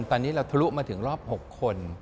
ตอนนี้เราทะลุมาถึงรอบ๖คน